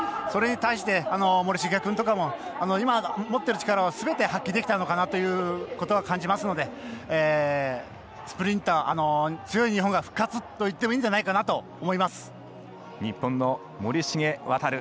それに対して森重君とかも今持っている力をすべて発揮できたかなと感じますので、スプリンター強い日本が復活と言っていいんじゃないかなと日本の森重航。